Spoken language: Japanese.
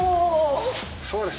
そうです。